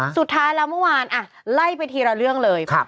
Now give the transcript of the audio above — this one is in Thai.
สุดท้ายแล้วเมื่อวานไล่ไปทีละเรื่องเลย